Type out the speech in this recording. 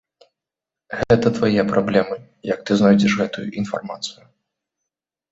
Гэта твае праблемы, як ты знойдзеш гэтую інфармацыю.